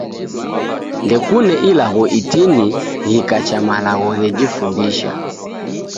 Ndekune ilagho itini ikacha malagho ghejifundisha.